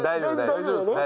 大丈夫だね？